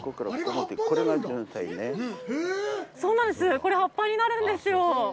これ葉っぱになるんですよ。